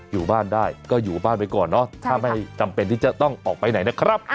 อยู่บ้านได้ก็อยู่บ้านไปก่อนเนอะถ้าไม่จำเป็นที่จะต้องออกไปไหนนะครับ